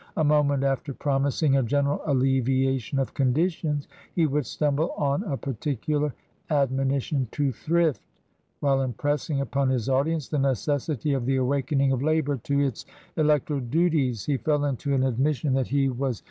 A moment after promising a general alleviation of conditions, he would stumble on a particular admonition to Thrift ; while impressing upon his audience the necessity of the awakening of labour to its electoral duties he fell into an admission that he was TRANSITION.